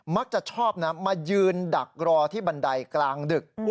มักจะชอบนะมายืนดักรอที่บันไดกลางดึก